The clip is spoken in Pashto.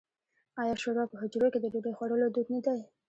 آیا شوروا په حجرو کې د ډوډۍ خوړلو دود نه دی؟